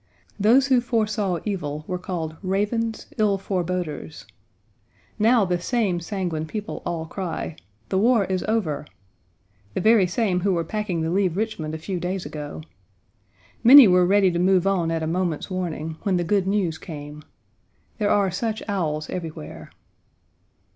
Those who foresaw evil were called ravens, ill foreboders. Now the same sanguine people all cry, "The war is over" the very same who were packing to leave Richmond a few days ago. Many were ready to move on at a moment's warning, when the good news came. There are such owls everywhere.